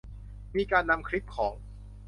มีการนำคลิปของ